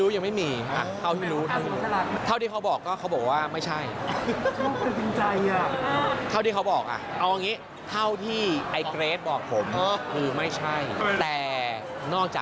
ยังไม่ใช่นะคะแต่ว่าในอนาคตก็ไม่แน่นะ